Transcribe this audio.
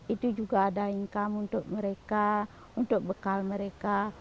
itu juga ada income untuk mereka untuk bekal mereka